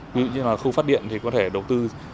ví dụ như là khu phát điện thì có thể đầu tư